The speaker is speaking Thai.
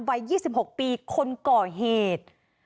วัย๒๖ปีคนก่อเหตุ